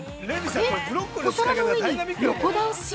お皿の上に横倒し？